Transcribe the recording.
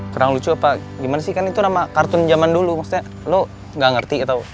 kurang lucu apa gimana sih kan itu nama kartun zaman dulu maksudnya lo gak ngerti atau